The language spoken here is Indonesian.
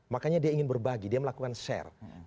makanya dia ingin berbagi dia melakukan share